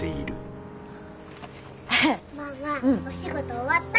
ママお仕事終わった？